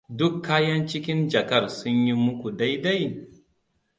Duk kayan cikin jakar sun yi muku dai-dai?